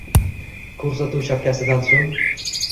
Ko’rsatuv shapkasidan so’ng